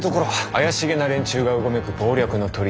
怪しげな連中がうごめく謀略の砦。